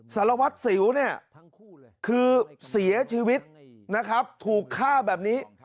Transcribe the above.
สารวัตรสิวเนี่ยคือเสียชีวิตนะครับถูกฆ่าแบบนี้